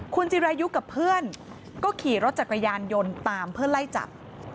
คุณจิรายุกับเพื่อนก็ขี่รถจักรยานยนต์ตามเพื่อไล่จับ